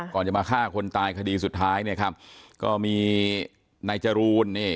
ก่อนจะมาฆ่าคนตายคดีสุดท้ายเนี่ยครับก็มีนายจรูนนี่